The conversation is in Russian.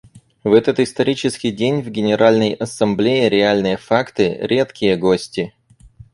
В этот исторический день в Генеральной Ассамблее реальные факты — редкие гости.